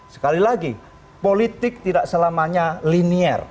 sekali lagi politik tidak selamanya linear